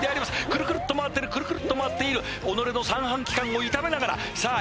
くるくるっと回ってるくるくるっと回っている己の三半規管を傷めながらさあ